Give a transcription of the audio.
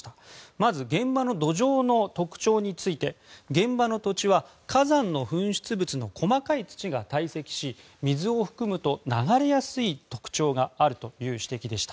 まず現場の土壌の特徴について現場の土地は火山の噴出物の細かい土が堆積し水を含むと流れやすい特徴があるという指摘でした。